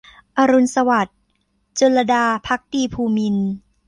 อรุณสวัสดิ์ - จุลลดา ภักดีภูมินทร์